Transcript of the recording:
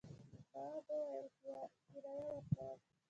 تواب وویل کرايه ورکوم.